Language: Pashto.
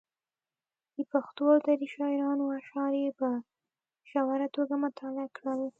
د پښتو او دري شاعرانو اشعار یې په ژوره توګه مطالعه کړل.